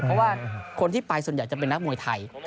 เพราะว่าคนที่ไปส่วนใหญ่จะเป็นนักมวยไทย